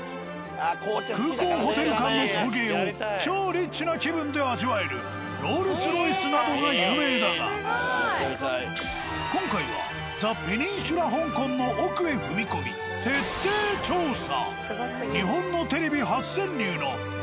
空港‐ホテル間の送迎を超リッチな気分で味わえるロールス・ロイスなどが有名だが今回はザ・ペニンシュラ香港の奥へ踏み込み徹底調査。